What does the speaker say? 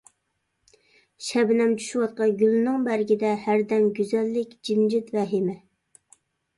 شەبنەم چۈشۈۋاتقان گۈلنىڭ بەرگىدە ھەردەم گۈزەللىك، جىمجىت ۋەھىمە.